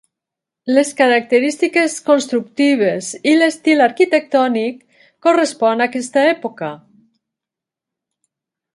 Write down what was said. Les característiques constructives i l'estil arquitectònic correspon a aquesta època.